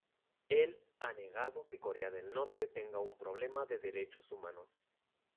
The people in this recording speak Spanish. Él ha negado que Corea del Norte tenga un problema de derechos humanos.